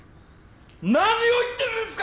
何を言ってるんですか！